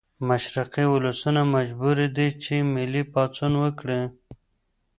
مشرقي ولسونه مجبوري دي چې ملي پاڅون وکړي.